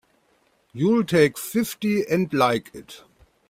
You'll take fifty and like it!